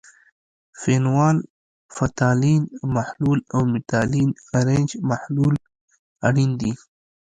فینول فتالین محلول او میتایل ارنج محلول اړین دي.